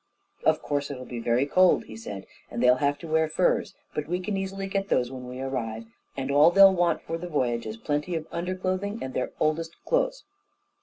"Of course, it'll be very cold," he said, "and they'll have to wear furs, but we can easily get those when we arrive, and all they'll want for the voyage is plenty of underclothing and their oldest clothes."